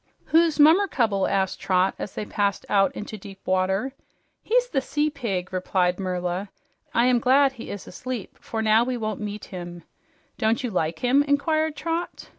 "Who's Mummercubble?" asked Trot as they passed out into deep water. "He's the sea pig," replied Merla. "I am glad he's asleep, for now we won't meet him." "Don't you like him?" inquired Trot.